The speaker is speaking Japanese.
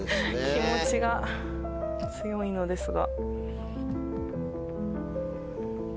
気持ちが強いのですが。